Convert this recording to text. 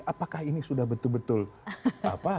apakah ini sudah betul betul apa